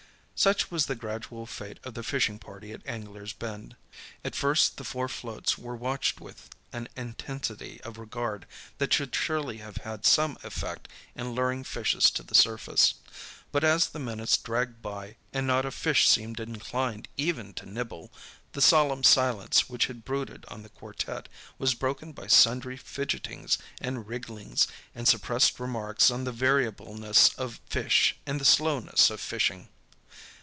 Such was the gradual fate of the fishing party at Anglers' Bend. At first the four floats were watched with an intensity of regard that should surely have had some effect in luring fishes to the surface; but as the minutes dragged by and not a fish seemed inclined even to nibble, the solemn silence which had brooded on the quartet was broken by sundry fidgetings and wrigglings and suppressed remarks on the variableness of fish and the slowness of fishing.